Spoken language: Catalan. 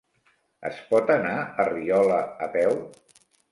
Es pot anar a Riola a peu?